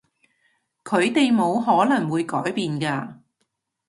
佢哋冇可能會改變㗎